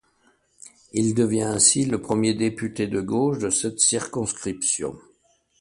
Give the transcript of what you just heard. Il devient ainsi le premier député de gauche de cette circonscription.